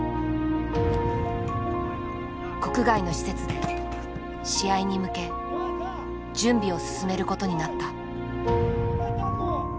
国外の施設で試合に向け準備を進めることになった。